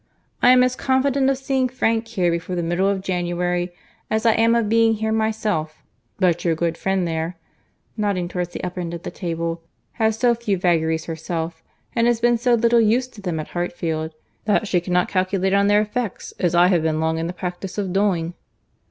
I am as confident of seeing Frank here before the middle of January, as I am of being here myself: but your good friend there (nodding towards the upper end of the table) has so few vagaries herself, and has been so little used to them at Hartfield, that she cannot calculate on their effects, as I have been long in the practice of doing."